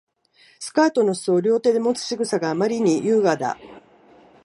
スカートの裾を両手でもつ仕草があまりに優雅だ